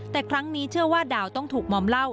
แต่ครั้งนี้เชื่อว่าดาวต้องถูกมอมเหล้า